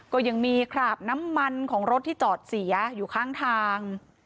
ก็ยังมีคราบน้ำมันของรถที่จอดเสียอยู่ข้างทาง